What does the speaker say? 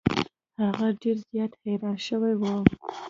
هغه ډیر زیات حیران شوی و.